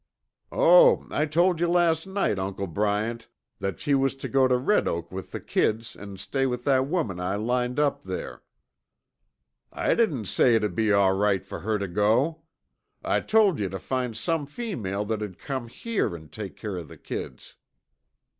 "Oh, I told you last night, Uncle Bryant, that she was to go to Red Oak with the kids an' stay with that woman I lined up there." "I didn't say it'd be all right fer her tuh go. I told yuh tuh find some female that'd come here an' take care of the kids!"